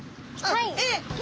はい！